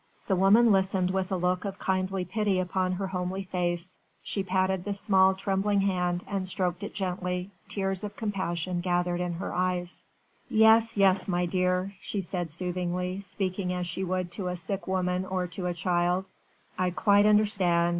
The woman listened with a look of kindly pity upon her homely face, she patted the small, trembling hand and stroked it gently, tears of compassion gathered in her eyes: "Yes, yes, my dear," she said soothingly, speaking as she would to a sick woman or to a child, "I quite understand.